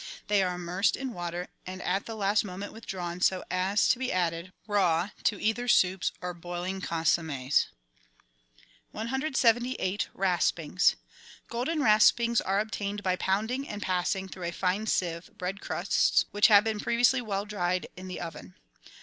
They are immersed in water, and at the last moment withdrawn, so as to be added, raw, to either soups or boiling consommes. 178— RASPINGS Golden raspings are obtained by pounding and passing through a fine sieve bread crusts which have been previously well dried in the oven.